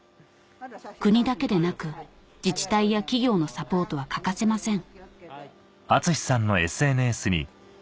国だけでなく自治体や企業のサポートは欠かせません